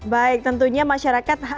baik tentunya masyarakat